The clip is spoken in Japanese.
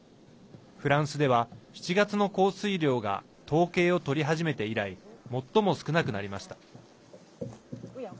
フランスでは、７月の降水量が統計を取り始めて以来最も少なくなりました。